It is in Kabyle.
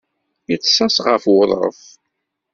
Iṭṭes-as ɣef wuḍṛef.